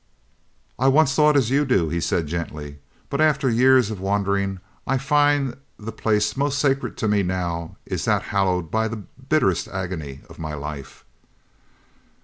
"I once thought as you do," he said, gently, "but after years of wandering, I find that the place most sacred to me now is that hallowed by the bitterest agony of my life."